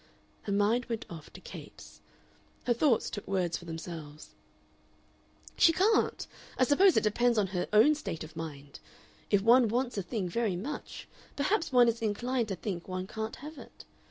Her mind went off to Capes. Her thoughts took words for themselves. "She can't. I suppose it depends on her own state of mind. If one wants a thing very much, perhaps one is inclined to think one can't have it.